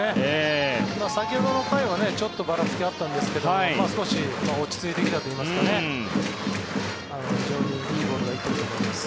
先ほどの回はばらつきがあったんですが少し落ち着いてきたといいますか非常にいいボールが行っていると思います。